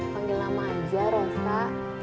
panggil lama aja rosa